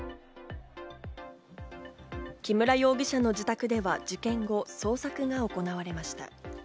木村容疑者の自宅では事件後、捜索が行われました。